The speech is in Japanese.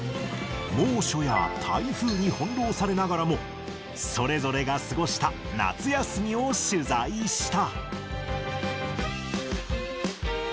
猛暑や台風に翻弄されながらも、それぞれが過ごした夏休みを取材した。